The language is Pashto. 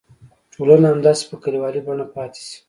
ټولنه همداسې په کلیوالي بڼه پاتې شي.